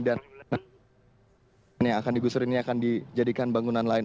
dan yang akan digusur ini akan dijadikan bangunan lain